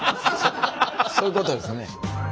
そういうことですね。